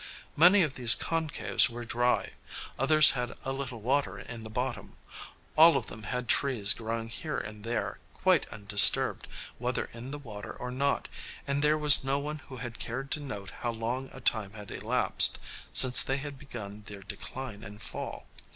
Many of these concaves were dry; others had a little water in the bottom; all of them had trees growing here and there, quite undisturbed, whether in the water or not; and there was no one who had cared to note how long a time had elapsed since they had begun their "decline and fall."